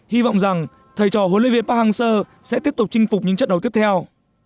hy vọng rằng thầy trò huấn luyện viên park hang seo sẽ tiếp tục chinh phục những trận đấu tiếp theo